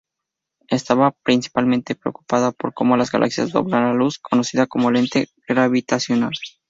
Estaba principalmente preocupada por cómo las galaxias doblan la luz, conocida como lente gravitacional.